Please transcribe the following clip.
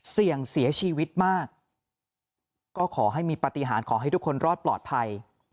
เสี่ยงเสียชีวิตมากก็ขอให้มีปฏิหารขอให้ทุกคนรอดปลอดภัย